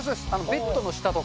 ベッドの下とか。